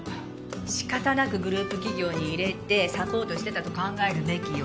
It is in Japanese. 仕方なくグループ企業に入れてサポートしてたと考えるべきよ。